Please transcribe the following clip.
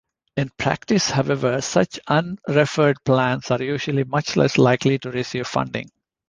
In practice, however, such unreferred plans are usually much less likely to receive funding.